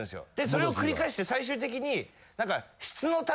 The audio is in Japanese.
それを繰り返して最終的に何か。